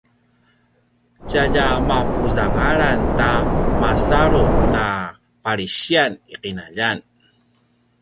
tjalja mapuzangalan ta masalut a palisiyan i qinaljan